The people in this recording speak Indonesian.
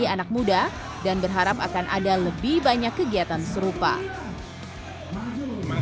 anak muda dan berharap akan ada lebih banyak kegiatan serupa memang